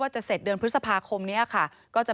ใช่ค่ะ